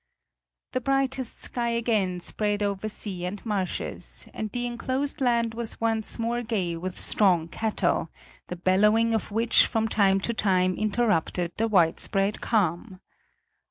The brightest sky again spread over sea and marshes, and the enclosed land was once more gay with strong cattle, the bellowing of which from time to time interrupted the widespread calm.